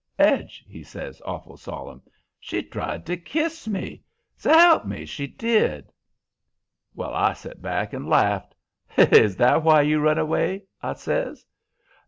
'Edge,' he says, awful solemn, 'she tried to kiss me! S'elp me, she did!' "Well, I set back and laughed. 'Is that why you run away?' I says.